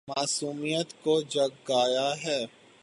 معصومیت کو جگایا ہے